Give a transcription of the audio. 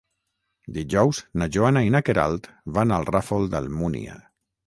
Dijous na Joana i na Queralt van al Ràfol d'Almúnia.